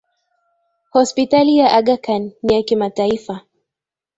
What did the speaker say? Hospitali ya Aga khan ni ya kimataifa